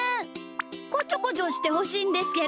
こちょこちょしてほしいんですけど。